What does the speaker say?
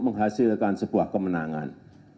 menghasilkan sebuah kemenangan